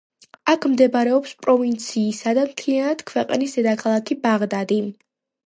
აქ მდებარეობს პროვინციისა და მთლიანად ქვეყნის დედაქალაქი ბაღდადი.